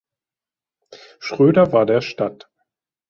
Schröder war der Stadt.